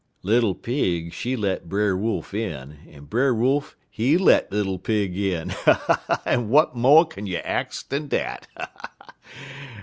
"Little Pig, she let Brer Wolf in, en Brer Wolf, he let Little Pig in, en w'at mo' kin you ax dan dat?